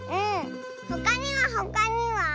ほかにはほかには？